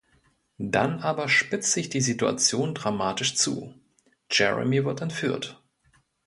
Dann aber spitzt sich die Situation dramatisch zu: Jeremy wird entführt.